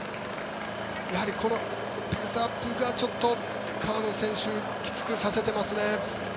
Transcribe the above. やはりペースアップがちょっと川野選手をきつくさせてますね。